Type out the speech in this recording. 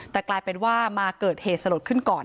แต่กลายเป็นว่ามาเกิดเหตุสลดขึ้นก่อน